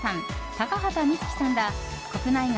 高畑充希さんら国内外